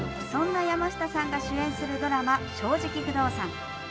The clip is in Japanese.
そんな山下さんが主演するドラマ「正直不動産」。